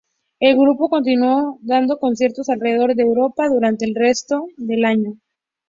El grupo continuó dando conciertos alrededor de Europa durante el resto del año.